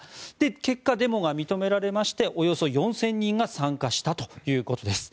結果、デモが認められましておよそ４０００人が参加したということです。